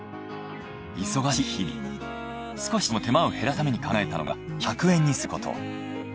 忙しい日々少しでも手間を減らすために考えたのが値段をすべて１００円にすること。